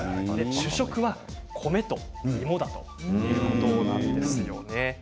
主食は米と芋だということなんですよね。